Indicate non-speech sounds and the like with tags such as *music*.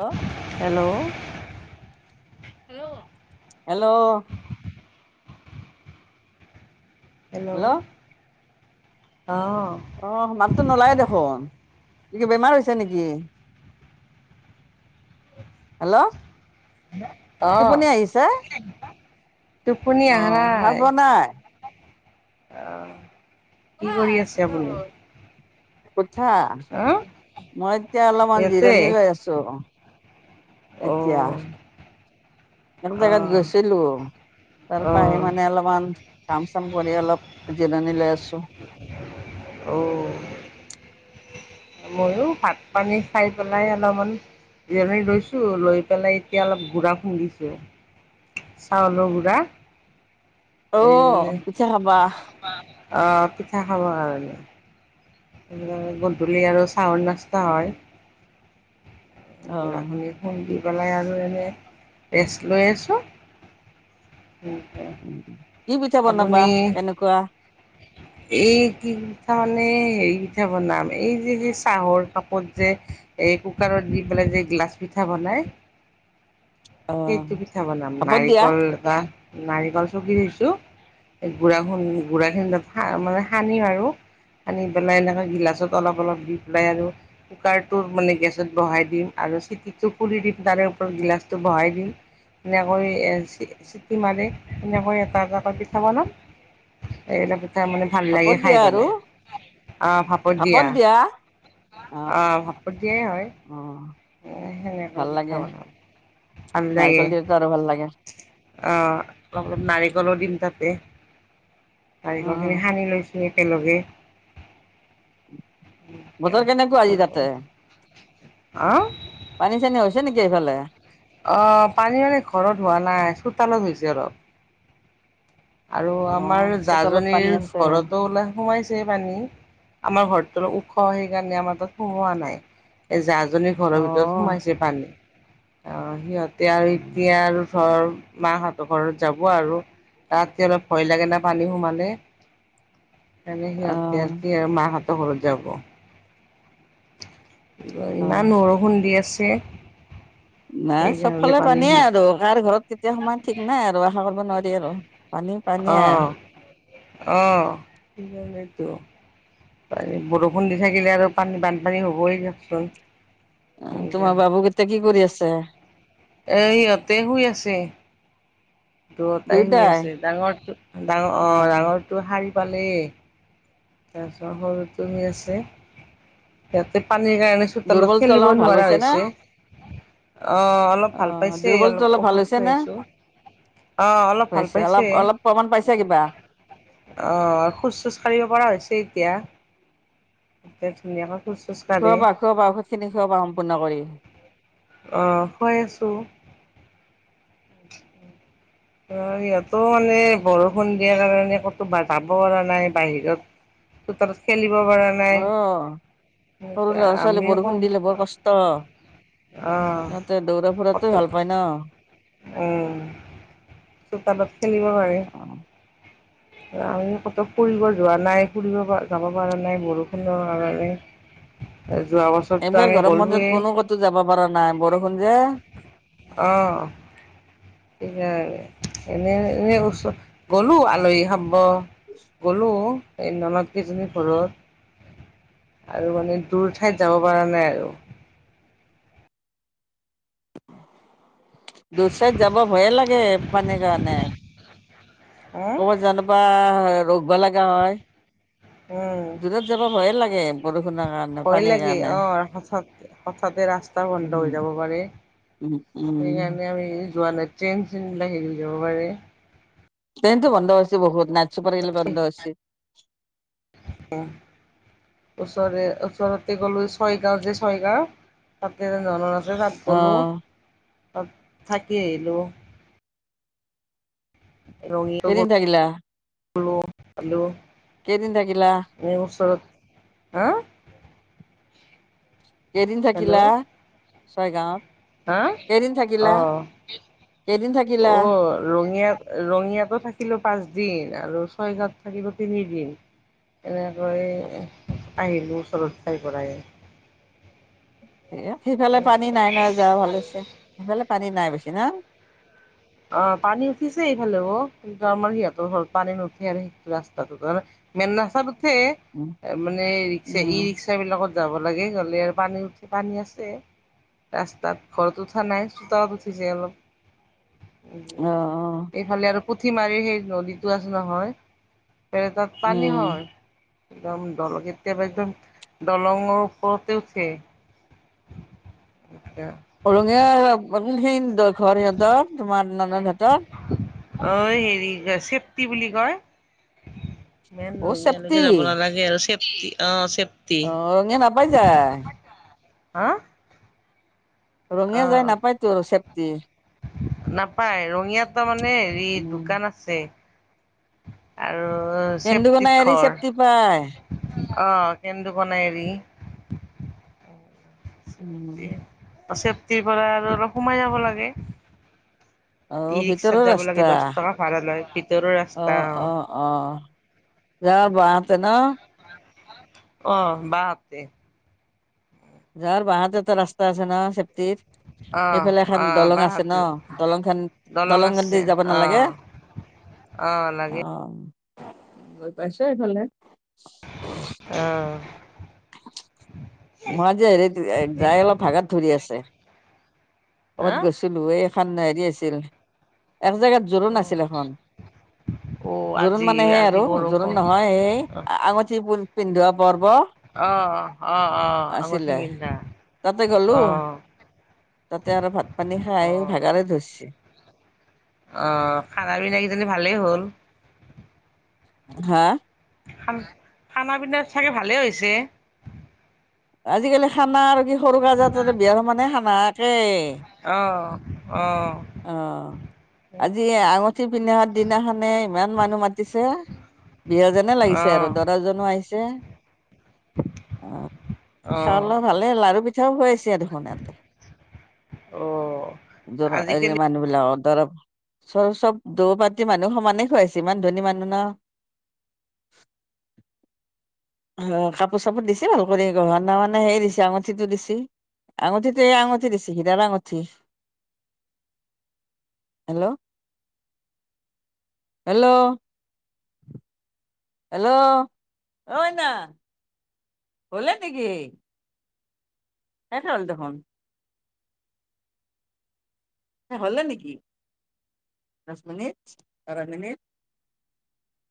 হ hello hello hello hello অঁ অঁ মাতটো নোলায় দেখোন কি কি বেমাৰ হৈছে নিকি? হেল্ল' অ টোপনি আহিছে টোপনি অ আহা ভাল নাই পোৱা নাই অ কি কৰি আছে আপুনি? উঠা অঁ মই এতিয়া অলপমান ইয়াতে জিৰণি লৈ আছ চো এতিয়া অঁ এক জেগাত অঁ গৈছিলো তাৰ পা আহি অঁ মানে অলপমান কাম চাম কৰি অলপ জিৰণি লৈ আছো অ ময়ো ভাত পানী খাই পেলাই অলমান জিৰণি লৈছো লৈ পেলাই এতিয়া অলপ ঘুৰা খুন্দিছো চাউলৰ গুৰা অ এই মানে পিঠা খাবা অ পিঠা খাবৰ কাৰণে উম, গধূলি আৰু চউল নাষ্টা হয়। অ খুন্দি পেলাই আৰু এনেই ৰেষ্ট লৈ আছোঁ। *inaudible* বনাবা আপুনি কেনেকুৱা *inaudible* এই কি পিঠা মানে হেৰি পিঠা বনাম এই যে চাহৰ কাপত যে, এই কুকাৰত দি পেলাই যে গিলাচ পিঠা বনাই, অ সেইটো পিঠা বনাম। ভাপত দিয়া নাৰিকল এটা নাৰিকল চকি থৈছোঁ। সেই গুড়াখন গুড়া খিনি মানে সানিম আৰু। সানি পেলাই এনেকৈ গিলাচত অলপ অলপ দি পেলাই আৰু কুকাৰটো মানে গেছত বহাই দিম, আৰু চিটিটো খুলি দিম তাৰে ওপৰত গিলাচটো বহাই দিম। ধুনীয়াকৈ চি চিটি মাৰে, সেনেকৈ এটা এটাকৈ ঠা বনাম, এইটো কেইটা পিঠা মানে ভাল লাগে ভাপত দিয়া খাই আৰু পেলাই, অঁ ভাপত দিয়া। অঁ ভাপত দিয়াই হয়। অঁ, সেনেকৈ ভাল পিঠা লাগে, বনাওঁ নাৰিকল দিয়োটো আৰু ভাল লাগে। অঁ নাৰিকলো দিম তাতে। নাৰিকল উম খিনি সানি লৈছো একেলগে। বতৰ কেনেকুৱা আজি তাতে? অঁ। পানী চানী হৈছে নেকি সেইফালে? অ পানী মানে ঘৰত হোৱা নাই, চোতালত হৈছে অলপ। আৰু অ আমাৰ চোতালত পানী জাজনীৰ আছে ঘৰতো বোলে সোমাইছে পানী। আমাৰ ঘৰতটো ওখ সেইকাৰণে আমাৰ তাত সোমোৱা নাই, এ জাজনী অ ঘৰৰ ভিতৰত সোমাইছে পানী, আ সিহঁতে আৰু এতিয়া আৰু ধৰ মাহঁতৰ ঘৰত যাব আৰু। তাকে অলপ ভয় লাগে না পানী সোমালে, সেইকাৰণে অ সিহঁতে মাহঁত ঘৰত যাব। অ ইমান বৰষুণ দি আছে। মা সেইকাৰণে চবফালে পানী পানীয়ে সোমাই আৰু কাৰ ঘৰত কেতিয়া সোমাই ঠিক নাই আৰু, আশা কৰিব নোৱাৰি আৰু পানী পানীয়ে অঁ অঁ। বৰষুণ দি থাকিলে আৰু পানী বানপানী হবই দিয়কচোন। অঁ তোমাৰ বাবু এতিয়া কি কৰি আছে? এ সিহঁতে শুই আছে। দুটাই শুই দুয়োটাই আছে, ডাঙৰটো ডাঙৰ অ অঁ ডাঙৰটো শাৰী পালে। তাৰপিছত সৰুটো শুই আছে, সিহঁতে পানীৰ কাৰণে চোতালত দুৰ্বলটো খেলিব অলপমান ভাল নোৱাৰা না হৈছে। অঁ অলপ অ ভাল পাইছে দুৰ্বলটো অলপ ভাল ঔষধ হৈছে নে খুৱাইছোঁ। অঁ অলপ ভাল হৈছে অলপ পাইছে। অলপ প্ৰমাণ পাইছা কিবা অঁ খোজ চোজ কঢ়িব পৰা হৈছে এতিয়া, ধুনীয়াকৈ খোজ চোজ কাঢ়ে খোৱাবা খোৱাবা ঔষধ খিনি খুৱাবা সম্পূৰ্ণ কৰি। অঁ খোৱাই আছোঁ। অঁ ইহঁতো মানে বৰষুণ দিয়াৰ কাৰণে ক'তো বা যাব পৰা নাই বাহিৰত। চোতালত খেলিব পৰা না অঁ' সৰু আমি ল'ৰা-ছোৱালীৰ আকৌ বৰষুণ দিলে বৰ কষ্ট। অ ইহঁতে দৌৰা ফুৰাতে ভাল পায় ন'। উমঁ' চুতালত খেলিব পাৰি। আমিও ক'ত ফুৰিব যোৱা নাই ফুৰিব পৰা যাব পৰা নাই বৰষুণৰ কাৰণে। *unintelligible* এ যোৱাবছৰ- এইবাৰ গৰম বন্ধত কোনো কতো যাব পৰা নাই বৰষুণ যে। অঁ। সেইকাৰণে এনে এনে ওচৰত গ'লো আলহী খাব। গ'লো- এই লগৰ কেইজনী ঘৰত আৰু মানে দূৰ ঠাইত যাব পৰা নাই আৰু। দূৰ থাইত যাব ভয়ে লাগে পানীৰ কাৰণে। হা ক'ৰবাত জালে বা ৰখিব লগা হয়। উম দূৰত যাব ভয়ে লাগে বৰষুণৰ কাৰণে পানীৰ কাৰণে। তাৰ পাছত- হঠাতে ৰাস্তা বন্ধ হৈ উম। যাব পাৰে উম উম সেইকাৰণে আমি যোৱা নাই। ট্ৰেইন চেন বিলাক হেৰি হৈ যাব পাৰে। ট্ৰেইনটো বন্ধ হৈছে বহুত, নাইট ছুপাৰ বিলাক বন্ধ হৈছে। উমঁ। ওচৰে ওচৰতে গ'লো ছয়গাঁও যে ছয়গাঁও তাতে *unintelligible* আছে তাত- অ। গ'লোঁ তাত থাকি আহিলোঁ। *unintelligible* কেইদিন থাকিলা গ'লোঁ খালোঁ। কেইদিন থাকিলা? এ ওচৰত, হাঁ। কেইদিন থাকিল হেল্ল' চয়গাঁৱত? হা কেইদিন থাকিলা অঁ কেইদিন থাকিলা? অ' ৰঙিয়াত ৰঙিয়াতো থাকিলো পাঁচ দিন আৰু ছয় গাওঁত থাকিলো তিনিদিন। এনেকৈ অ আহিলোঁ ওচৰত চাই পেলাই। সিফালে পানী নাই নহয় যাব ভাল হৈছে, সিফালে পানী নাই বেছি না? অঁ' পানী উঠিছে এইফালেও কিন্তু আমাৰ সিহঁতৰ ঘৰত পানী নুঠে আৰু সেইটো ৰাস্তাটোত আৰু। মেইন ৰাস্তাত উঠে উম মানে ৰিক্সা ই ৰিক্সা- ৰিক্সা বিলাকত যাব লাগে গ'লে আৰু পানী আৰু পানী আছে। ৰাস্তাত, ঘৰত উঠা নাই চোতালত উঠিছে অলপ। অ অ এইফালে আৰু পুঠি মাৰি সেই নদীটো আছে নহয়- তাত পানী উম হয়। একদম দল কেতিয়াবা একদম দলঙৰ ওপৰতে উঠে। *unintelligible* ৰঙিয়া সেই কোনখিনিত ঘৰ সিহঁতৰ তোমাৰ নন্দ হতৰ? অঁ' এই হেৰি চিফটি বুলি কয়। মেইন অ ৰঙিয়া লৈকে চেফটি যাব নালাগে আৰু চেফটি অঁ' চে অঁ' ৰঙিয়া নাপাই যায়। হা? ৰঙিয়া যায় অ' নাপায় তো চেফটি। নাপায়, ৰঙিয়াত তাৰ মানে হেৰি উম দোকান আছে। আৰু কেন্দুকোনা চেফটিত এৰি ঘৰ। চেফটি পায় অ কেন্দু পনাই এৰি, উম চেফটিৰ পৰা আৰু অলপ সোমাই যাব লাগে। ই অ', ৰিক্সাত ভিতৰৰ যাব লাগে ৰাস্তা দহ টকা ভাড়া লয় ভিতৰৰ অ', ৰাস্তা অ', অ', যা বা পেনৰ অ', বা হতে। তাহাৰ বাহাতে এটা ৰাস্তা আছে ন, চেফটিৰ অ' সেইফালে এখান অ' দলং আছে বাহঁতে ন, দলং খান দলং আছে দি যাব নালাগে? অ' অ', লাগে। অ গৈ পাইছে এইফালে? অ', মই আজি হেৰিত যাই অলপ ভাগাত ধৰি আছে। হা ক'বাত গৈছিলো এই এখান হেৰি আছিল এক জেগাত জোৰোণ আছিল এখন অ' জোৰোণ আজি মানে সেই আজি আৰু জোৰোণ নহয় এই বৰষুণ আঙুঠি পিন্ধোৱা পৰ্ব। অ', অ', অ', অ', আঙুঠি আছিলে, পিন্ধা তাতে গ'লো অ। তাতে আৰু ভাত পানী খাই অ', ভাগাৰে ধৰছি। অ', খানা পিনা কিজানি ভালেই হ'ল। হা খান খানা পিনাত চাগে ভালে হৈছে। আজিকালি খানা আৰু কি সৰু কাজৰ তাতে বিয়াৰ সমানে খানা একে। অ', অ', অ', আজি আঙুঠি পিন্ধাৱা দিনাখানে ইমান মানুহ মাতিছে। বিয়াযেনে লাগিছে আৰু অ', দৰাজনো আহিছে অ খাৱা অ', লোঁৱা ভালে লাৰু- পিঠাও খুৱাইছে। অ', দৰা আজিকালি এই মানুহ বিলাকৰ দ্বাৰা চব -চব দৌ পাৰ্টি মানুহ সমানেই খুৱাইছে ইমান ধনী মানুহ ন। *inaudible* কাপোৰ চাপোৰ দিছে ভাল কৰি গহনা মানে সেই দিছে আঙুঠিটো দিছি। আঙঠিতো এই আঙঠি দিছি হীৰাৰ আঙুঠি। হেল্ল', হেল্ল', হেল্ল', অ, মাইনা? গলে নেকি? শেষে হ'ল দেখোন। শেষ হ'লে নেকি দচ মিনিট বাৰ মিনিট।